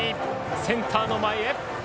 センターの前！